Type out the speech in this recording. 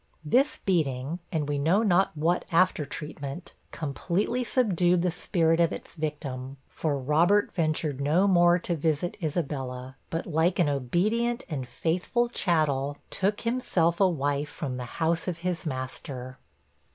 This beating, and we know not what after treatment, completely subdued the spirit of its victim, for Robert ventured no more to visit Isabella, but like an obedient and faithful chattel, took himself a wife from the house of his master.